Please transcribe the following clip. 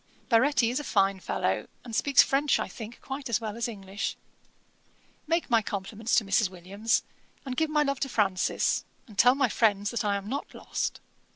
Baretti is a fine fellow, and speaks French, I think, quite as well as English. 'Make my compliments to Mrs. Williams; and give my love to Francis; and tell my friends that I am not lost.